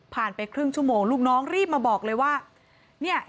ไปครึ่งชั่วโมงลูกน้องรีบมาบอกเลยว่าเนี่ย